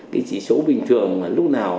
cái chỉ số bình thường mà lúc nào